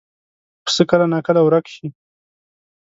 پسه کله ناکله ورک شي.